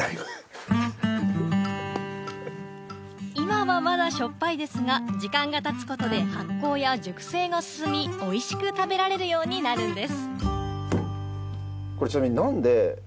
今はまだしょっぱいですが時間がたつことで発酵や熟成が進みおいしく食べられるようになるんです